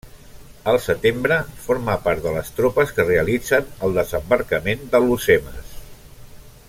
Al setembre forma part de les tropes que realitzen el desembarcament d'Alhucemas.